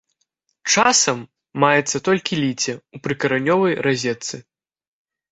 Часам маецца толькі ліце ў прыкаранёвай разетцы.